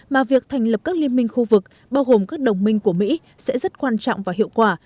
mà việc thành lập các liên minh khu vực bao gồm các đồng minh của mỹ sẽ rất quan trọng và hiệu quả